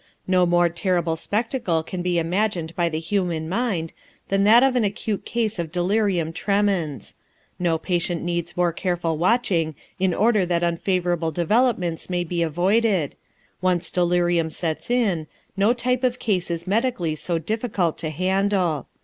No more terrible spectacle can be imagined by the human mind than that of an acute case of delirium tremens; no patient needs more careful watching in order that unfavorable developments may be avoided; once delirium sets in, no type of case is medically so difficult to handle.